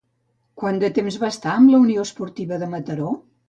Quant de temps va estar amb la Unió Esportiva de Mataró?